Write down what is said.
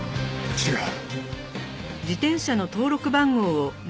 違う！